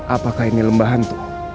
apakah ini lembah hantu